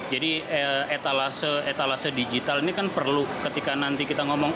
jadi etalase etalase digital ini kan perlu ketika nanti kita ngomong